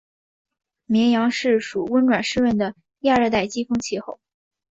绵阳市属温暖湿润的亚热带季风气候。